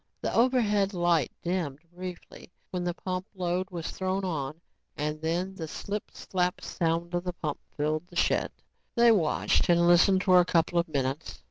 The overhead light dimmed briefly when the pump load was thrown on and then the slip slap sound of the pump filled the shed. They watched and listened for a couple of minutes.